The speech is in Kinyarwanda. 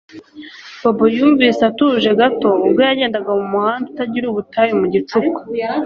Bobo yumvise atuje gato ubwo yagendaga mu muhanda utagira ubutayu mu gicuku